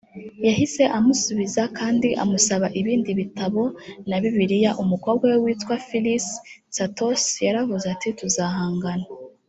yahise amusubiza kandi amusaba ibindi bitabo na bibiliya umukobwa we witwa phyllis tsatos yaravuze ati tuzahangana